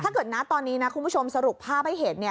ถ้าเกิดณะตอนนี้นะคุณผู้ชมสรุปภาพให้เห็นเนี่ย